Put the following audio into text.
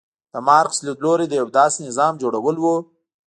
د مارکس لیدلوری د یو داسې نظام جوړول و.